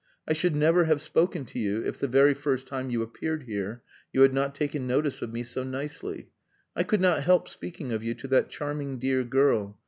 I should never have spoken to you if the very first time you appeared here you had not taken notice of me so nicely. I could not help speaking of you to that charming dear girl.